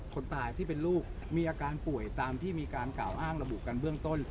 คนตายที่เป็นลูกมีอาการป่วยตามที่มีการกล่าวอ้างระบุกันเบื้องต้น